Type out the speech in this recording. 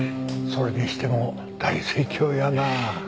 それにしても大盛況やなあ。